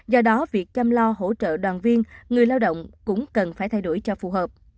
do đó việc chăm lo hỗ trợ đoàn viên người lao động cũng cần phải thay đổi cho phù hợp